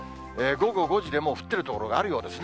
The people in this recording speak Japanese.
午後５時でもう降っている所があるようですね。